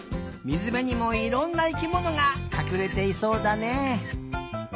みずべにもいろんな生きものがかくれていそうだね。